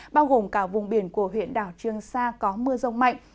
bao gồm cả vùng biển của huyện đảo trương sa có mưa rông mạnh